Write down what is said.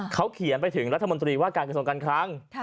เขาเขียนไปถึงรัฐมนตรีว่าการกระทรวงการคลัง